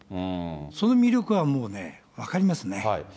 その魅力はもうね、分かりますね。